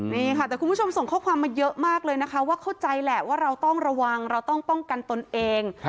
นี่ค่ะแต่คุณผู้ชมส่งข้อความมาเยอะมากเลยนะคะว่าเข้าใจแหละว่าเราต้องระวังเราต้องป้องกันตนเอง